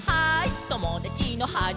ともだちのはじまりは」